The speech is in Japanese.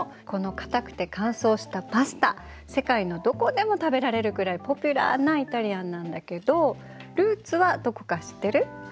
このかたくて乾燥したパスタ世界のどこでも食べられるくらいポピュラーなイタリアンなんだけどルーツはどこか知ってる？